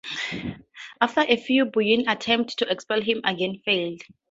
After a few Buyid attempts to expel him again failed.